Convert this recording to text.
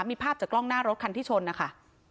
มีภาพจากกล้องหน้ารถคันที่ชนนะคะ